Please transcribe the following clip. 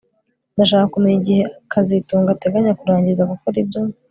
Ndashaka kumenya igihe kazitunga ateganya kurangiza gukora ibyo